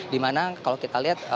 dimana kalau kita lihat